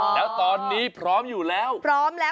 แล้วตอนนี้พร้อมอยู่แล้ว